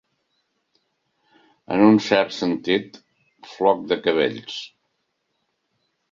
En un cert sentit, floc de cabells.